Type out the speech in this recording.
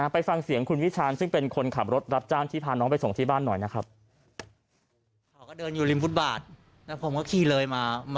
ไปฟังเสียงคุณวิชาญซึ่งเป็นคนขับรถรับจ้างที่พาน้องไปส่งที่บ้านหน่อยนะครับ